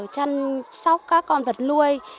chăn sóc các con vật nuôi